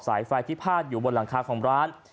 ไฟที่พาดอยู่บนหลังคาของร้าน